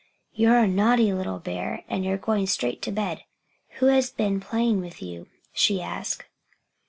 "You're a naughty little bear and you're going straight to bed. Who has been playing with you?" she asked.